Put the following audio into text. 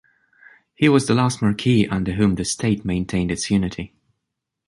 He was the last marquis under whom the State maintained its unity.